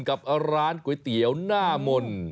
กับร้านก๋วยเตี๋ยวหน้ามนต์